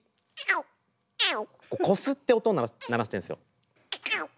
こすって音を鳴らしてるんですよ。